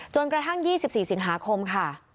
จนกระทั่ง๒๔สิงหาคมค่ะ